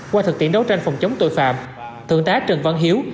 qua thực tiễn đấu tranh phòng chống tội phạm thượng tá trần văn hiếu